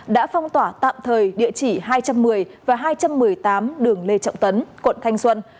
đã phong tỏa tạm thời địa chỉ hai trăm một mươi và hai trăm một mươi tám đường lê trọng tấn quận thanh xuân